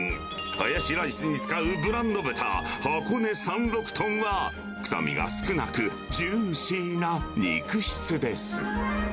ハヤシライスに使うブランド豚、箱根山麓豚は臭みが少なく、ジューシーな肉質です。